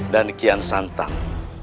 dan kian santang